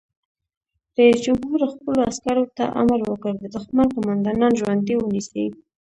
رئیس جمهور خپلو عسکرو ته امر وکړ؛ د دښمن قومندانان ژوندي ونیسئ!